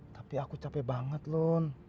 tapi aku capek banget loh